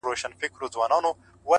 نظم د بریالۍ هڅې ساتونکی دی